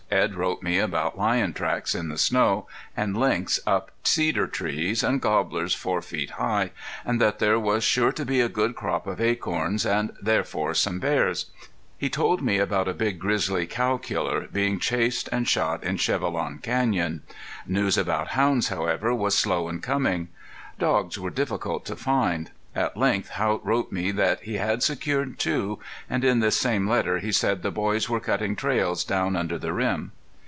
Edd wrote me about lion tracks in the snow, and lynx up cedar trees, and gobblers four feet high, and that there was sure to be a good crop of acorns, and therefore some bears. He told me about a big grizzly cow killer being chased and shot in Chevelon Canyon. News about hounds, however, was slow in coming. Dogs were difficult to find. At length Haught wrote me that he had secured two; and in this same letter he said the boys were cutting trails down under the rim.